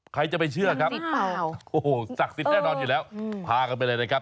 ใครจะไปเชื่อครับโอ้โหศักดิ์สิทธิ์แน่นอนอยู่แล้วพากันไปเลยนะครับ